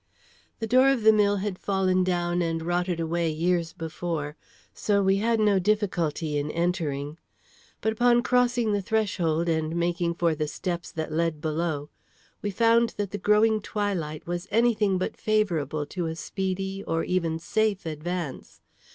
The door of the mill had fallen down and rotted away years before, so we had no difficulty in entering. But upon crossing the threshold and making for the steps that led below, we found that the growing twilight was any thing but favorable to a speedy or even safe advance.